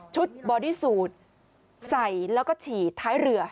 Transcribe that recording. บอดี้สูตรใส่แล้วก็ฉี่ท้ายเรือ